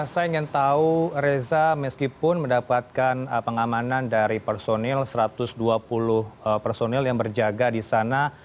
saya ingin tahu reza meskipun mendapatkan pengamanan dari personil satu ratus dua puluh personil yang berjaga di sana